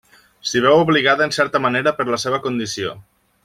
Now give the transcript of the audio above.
S'hi veu obligada en certa manera per la seva condició.